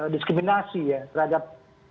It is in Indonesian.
diskriminasi ya terhadap